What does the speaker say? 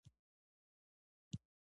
زه مینه لرم.